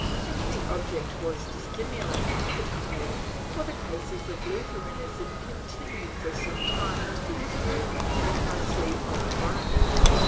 ^ If the object was to stimulate, it failed, for the cases of Lutheranism con tinued for some time to be few and mostly of foreigners.